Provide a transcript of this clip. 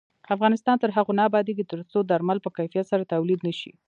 افغانستان تر هغو نه ابادیږي، ترڅو درمل په کیفیت سره تولید نشي.